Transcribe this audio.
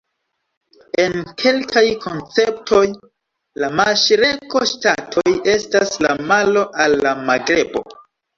En kelkaj konceptoj la maŝreko-ŝtatoj estas la malo al la magrebo.